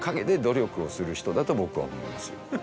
だと僕は思いますよ。